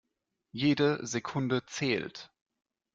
Jede Sekunde zählt.